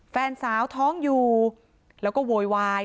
แฟนสาวท้องอยู่แล้วก็โวยวาย